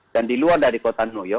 dan di luar dari kota new york